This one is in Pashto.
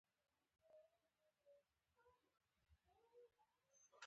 د سارې مېړه مړ شو.